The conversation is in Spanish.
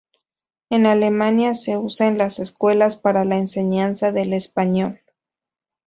En Alemania se usa en las escuelas para la enseñanza del español.